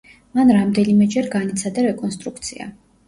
მან რამდენიმეჯერ განიცადა რეკონსტრუქცია.